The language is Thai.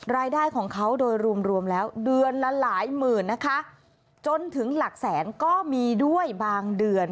รายได้ของเขาโดยรวมรวมแล้วเดือนละหลายหมื่นนะคะจนถึงหลักแสนก็มีด้วยบางเดือน